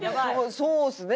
そうですね。